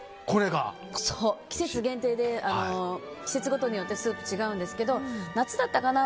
季節限定で季節ごとによってスープ違うんですけど夏だったかな？